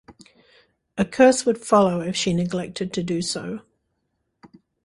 A curse would follow if she neglected to do so.